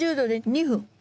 ２分。